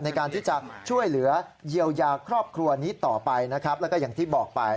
ในการที่จะช่วยเหลือเยียวยาครอบครัวนี้ต่อไปนะครับแล้วก็อย่างที่บอกไป